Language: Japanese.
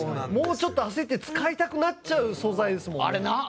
もうちょっと焦って使いたくなっちゃう素材ですもんね。